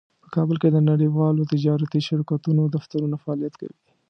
په کابل کې د نړیوالو تجارتي شرکتونو دفترونه فعالیت کوي